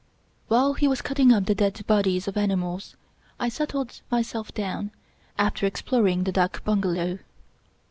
While he was cutting up the dead bodies of animals, I settled myself down, after exploring the dak bungalow.